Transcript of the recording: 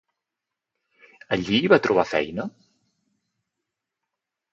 Allí hi va trobar feina?